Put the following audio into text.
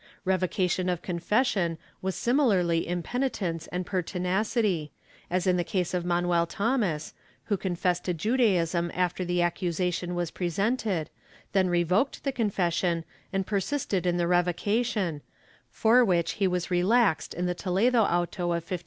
Revocation of confession was similarly impenitence and pertinacity, as in the case of Manuel Thomas, who confessed to Judaism after the accusation was pre sented, then revoked the confession and persisted in the revocation, for which he was relaxed in the Toledo auto of 1585.